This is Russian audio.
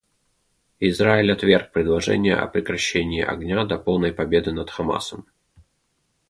Израиль отверг предложения о прекращении огня до полной победы над Хамасом.